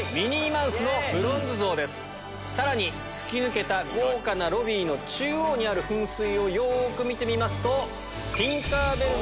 さらに吹き抜けた豪華なロビーの中央にある噴水をよく見てみますと。